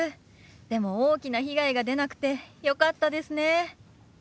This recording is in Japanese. でも大きな被害が出なくてよかったですね。